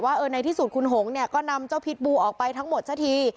ว่าในที่สุดคุณหงษ์ก็นำเจ้าพิษบูออกไปทั้งหมดซะที